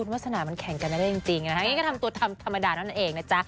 ว่าสนามันแข่งกันได้ได้จริงจริงนะฮะงั้นก็ทำตัวทำธรรมดานั่นนั่นเองนะจ๊ะ